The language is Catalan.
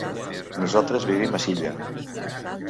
Nosaltres vivim a Silla.